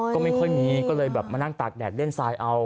ก็ไม่ค่อยมีก็เลยแบบมานั่งตากแดดเล่นทรายเอา